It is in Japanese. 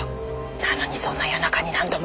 なのにそんな夜中に何度も。